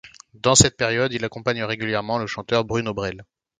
Dans cette période il accompagne régulièrement le chanteur Bruno Brel.